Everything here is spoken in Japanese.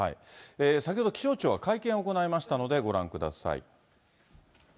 先ほど気象庁が会見を行いましたので、ご覧ください。